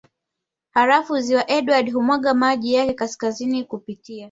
Halafu ziwa Edward humwaga maji yake kaskazini kupitia